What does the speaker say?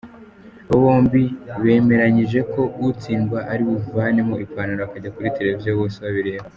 Aba bombi bemeranyije ko utsindwa ari buvanemo ipantaro akajya kuri Televiziyo bose babireba.